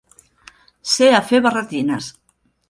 Ser a fer barretines.